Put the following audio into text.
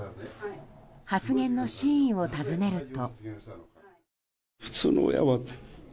発言の真意を尋ねると。